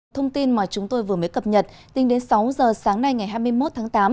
thông tin mà chúng tôi vừa mới cập nhật tính đến sáu giờ sáng nay ngày hai mươi một tháng tám